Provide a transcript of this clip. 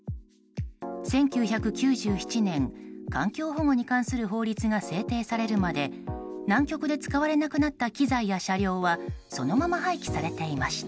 １９９７年、環境保護に関する法律が制定されるまで南極で使われなくなった機材や車両はそのまま廃棄されていました。